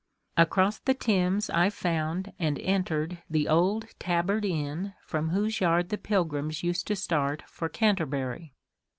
Across the Thames I found and entered the old Tabard inn from whose yard the pilgrims used to start for Canterbury.